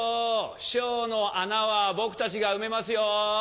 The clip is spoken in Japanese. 師匠の穴は僕たちが埋めますよ！